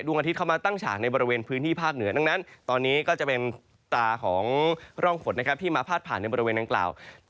อาทิตยเข้ามาตั้งฉากในบริเวณพื้นที่ภาคเหนือดังนั้นตอนนี้ก็จะเป็นตาของร่องฝนนะครับที่มาพาดผ่านในบริเวณดังกล่าว